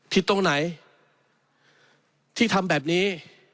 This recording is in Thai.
ตรงไหนที่ทำแบบนี้